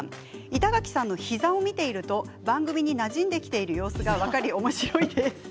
板垣さんの膝を見ていると番組になじんできている様子がおもしろいです。